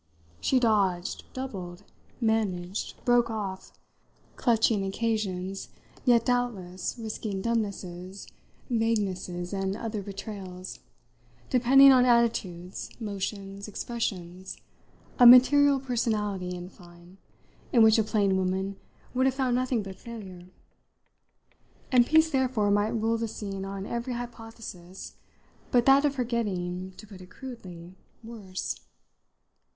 She dodged, doubled, managed, broke off, clutching occasions, yet doubtless risking dumbnesses, vaguenesses and other betrayals, depending on attitudes, motions, expressions, a material personality, in fine, in which a plain woman would have found nothing but failure; and peace therefore might rule the scene on every hypothesis but that of her getting, to put it crudely, worse.